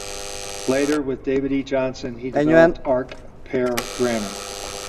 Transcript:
Later, with David E. Johnson, he developed Arc Pair Grammar.